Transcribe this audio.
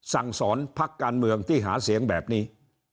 สั่งสอนพักการเมืองที่หาเสียงแบบนี้